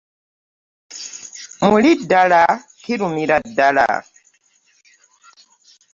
Muli ddala kirimira ddala .